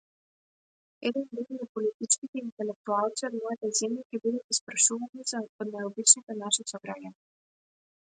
Еден ден неполитичките интелектуалци од мојата земја ќе бидат испрашувани од најобичните наши сограѓани.